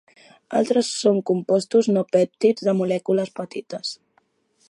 Altres són compostos no pèptids de molècules petites.